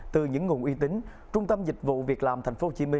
từ những nguồn uy tín trung tâm dịch vụ việc làm tp hcm